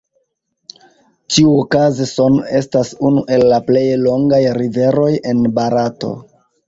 Ĉiuokaze Son estas unu el la plej longaj riveroj en Barato.